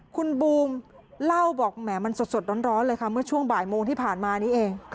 คุณบูมเล่าบอกแหมมันสดร้อนเลยค่ะเมื่อช่วงบ่ายโมงที่ผ่านมานี้เอง